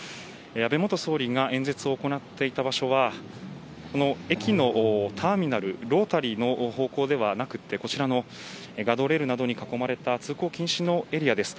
安倍元総理が演説を行っていた場所はこの駅のターミナルロータリーの方向ではなくてこちらのガードレールに囲まれた通行禁止のエリアです。